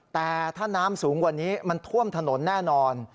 แต่ถ้าน้ำสูงกว่านี้มันท่วมถนนแน่นอน